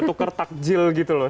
tukar takjil gitu loh